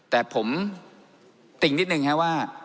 แต่ผมติ่งนิดนึงครับว่า